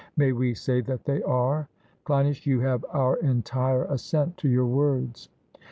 May we say that they are? CLEINIAS: You have our entire assent to your words.